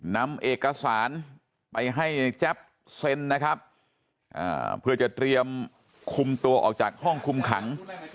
นำเอกสารไปให้แจ๊บเซ็นนะครับเพื่อจะเตรียมคุมตัวออกจากห้องคุมขัง